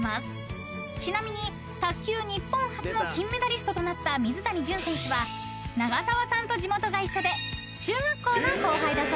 ［ちなみに卓球日本初の金メダリストとなった水谷隼選手は長澤さんと地元が一緒で］